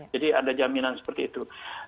jadi ada jaminan seperti itu